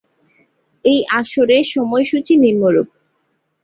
এই আসরের সময়সূচী নিম্নরূপ।